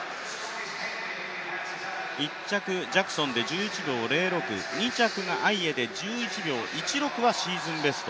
１着、ジャクソンで１１秒０６、２着がアイエで１１秒１６はシーズンベスト。